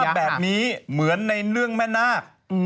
เห็นภาพแบบนี้เหมือนในเรื่องแม่นาค